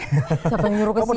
siapa yang nyuruh kesini